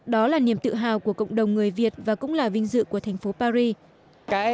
đó là niềm tự hào của cộng đồng người việt và cũng là vinh dự của thành phố paris